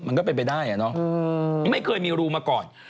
มันก็เป็นไปได้อ่ะเนาะไม่เคยมีรูมาก่อน